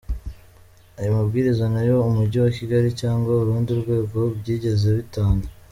Ayo mabwiriza ntayo Umujyi wa Kigali cyangwa urundi rwego byigeze bitanga.